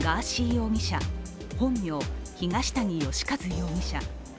容疑者本名・東谷義和容疑者。